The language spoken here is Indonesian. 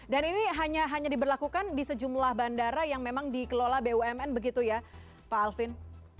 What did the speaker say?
dan ini hanya diberlakukan di sejumlah bandara yang memang dikelola bumn begitu ya pak alvin